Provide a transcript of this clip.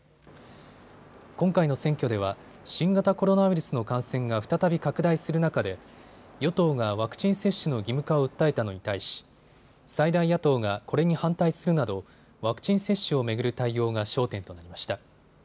今回の選挙では新型コロナウイルスの感染が再び拡大する中で与党がワクチン接種の義務化を訴えたのに対し、最大野党がこれに反対するなどワクチン接種を巡る対応が焦点となりました。